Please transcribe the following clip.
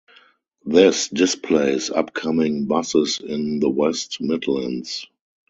This displays upcoming buses in the West Midlands